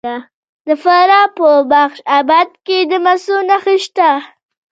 د فراه په بخش اباد کې د مسو نښې شته.